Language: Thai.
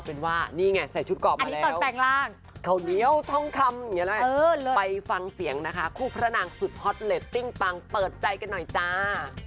ไปฟังเสียงคู่พระนางสุดฮอตเตะติ้งปังเปิดใจกันหน่อยจ้า